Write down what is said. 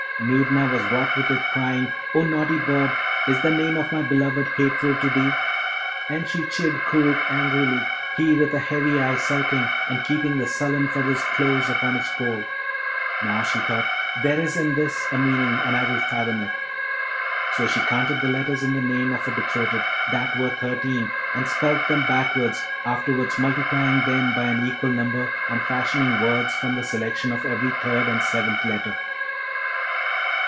Noorna was wroth with it, crying, 'Oh naughty bird! is the name of my beloved hateful to thee?' And she chid Koorookh angrily, he with a heavy eye sulking, and keeping the sullen feathers close upon his poll. Now, she thought, 'There is in this a meaning and I will fathom it.' So she counted the letters in the name of her betrothed, that were thirteen, and spelt them backwards, afterwards multiplying them by an equal number, and fashioning words from the selection of every third and seventh letter.